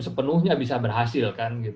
sepenuhnya bisa berhasil